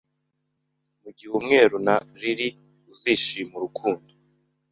Mugihe umweru wa Lili uzishimira urukundo